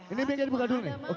ini dia dibuka dulu nih